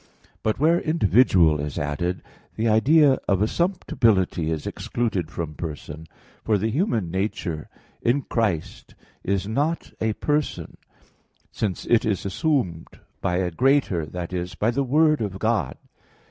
But where "individual" is added, the idea of assumptibility is excluded from person; for the human nature in Christ is not a person, since it is assumed by a greater that is, by the Word of God.